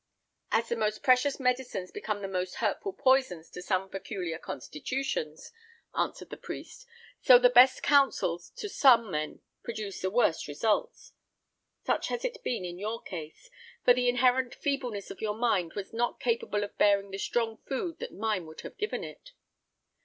"As the most precious medicines become the most hurtful poisons to some peculiar constitutions," answered the priest, "so the best counsels to some men produce the worst results. Such has it been in your case; for the inherent feebleness of your mind was not capable of bearing the strong food that mine would have given it."